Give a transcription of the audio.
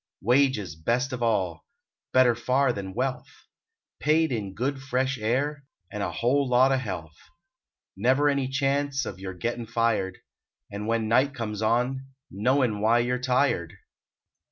Wages best of all. Better far than wealth. Paid in good fresh air, And a lot o health. Never any chance Of your gettin fired, And when night comes on Knowin why you re tired.